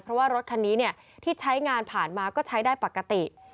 เพราะว่ารถคันนี้ที่ใช้งานผ่านมาก็ใช้ได้ปกติ